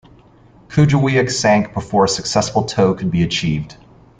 "Kujawiak" sank before a successful tow could be achieved.